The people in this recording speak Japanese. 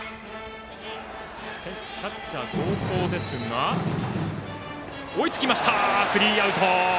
キャッチャー、追いつきましたスリーアウト！